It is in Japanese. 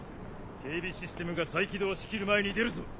警備システムが再起動しきる前に出るぞ。